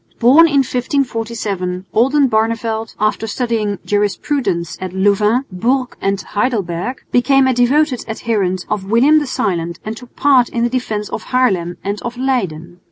Born in 1547, Oldenbarneveldt, after studying Jurisprudence at Louvain, Bourges and Heidelberg, became a devoted adherent of William the Silent and took part in the defence of Haarlem and of Leyden.